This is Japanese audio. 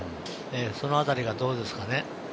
その辺りが、どうですかね。